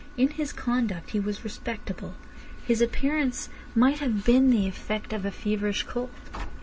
In his conduct he was respectable. His appearance might have been the effect of a feverish cold.